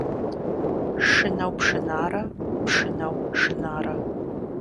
Шынэу пшынарэ, пшынэу шынарэ.